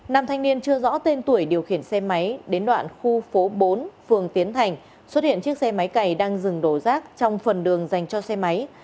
nam thanh niên chưa rõ tên tuổi điều khiển xe máy đến đoạn khu phố bốn phường tiến thành xuất hiện chiếc xe máy cày đang dừng đổ rác trong phần đường dành cho xe máy